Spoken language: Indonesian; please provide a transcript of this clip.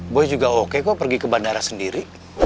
gue juga oke kok pergi ke bandara sendiri